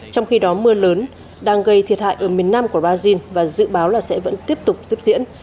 trong khi đó mưa lớn đang gây thiệt hại ở miền nam của brazil và dự báo là sẽ vẫn tiếp tục tiếp diễn